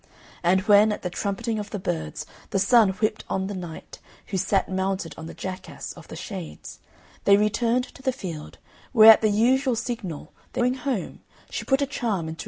And when, at the trumpeting of the birds, the Sun whipped on the Night, who sat mounted on the jackass of the Shades, they returned to the field, where at the usual signal they fell to plying their heels.